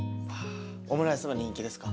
オムライスも人気ですか？